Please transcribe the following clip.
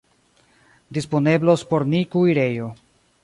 Disponeblos por ni kuirejo.